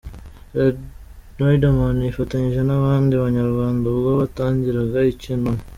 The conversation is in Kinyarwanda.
Riderman yifatanyije n'abandi Banyarwanda ubwo batangiraga icyunamo .